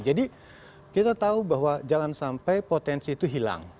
jadi kita tahu bahwa jalan sampai potensi itu hilang